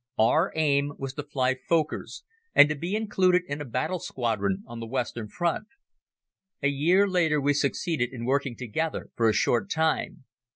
Our aim was to fly Fokkers and to be included in a battle squadron on the Western front. A year later we succeeded in working together for a short time.